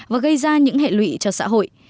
và gây ra những hệ lụy cho xã hội